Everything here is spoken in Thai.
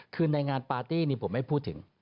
คือในงานปาร์ตี้นี่ผมไม่พูดถึง